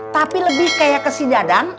tapi lebih kayak kesidadang